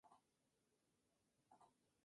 El primero fue la manera de nombrarla.